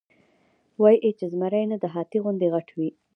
وې ئې چې زمرے نۀ د هاتي غوندې غټ وي ،